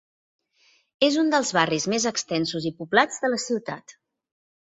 És un dels barris més extensos i poblats de la ciutat.